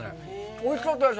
おいしかったです。